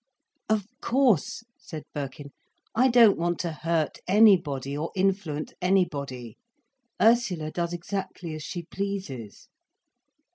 "Of course," said Birkin, "I don't want to hurt anybody or influence anybody. Ursula does exactly as she pleases."